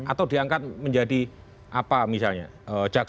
atau diangkat menjadi apa misalnya